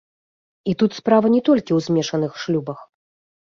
І тут справа не толькі ў змешаных шлюбах.